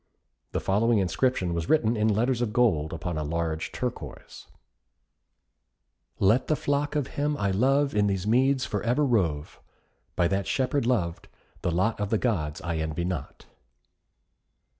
The following inscription was written in letters of gold upon a large turquoise: Let the flock of him I love In these meads for ever rove. By that Shepherd loved, the lot Of the Gods I envy not.